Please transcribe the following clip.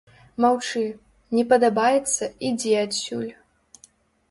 Маўчы, не падабаецца ідзі адсюль.